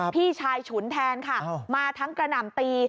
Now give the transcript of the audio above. พี่ชายฉุนแทนค่ะมาทั้งกระหน่ำตี